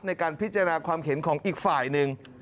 ในการพิจารณาความเห็นของอีกฝ่ายหนึ่ง